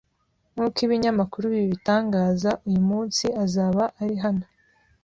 Nk’uko ibinyamakuru bibitangaza, uyu munsi azaba ari hano.